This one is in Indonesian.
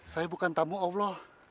saya bukan tamu allah